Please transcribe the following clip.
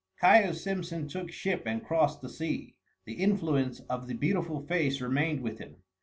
Caius Simpson took ship and crossed the sea. The influence of the beautiful face remained with him.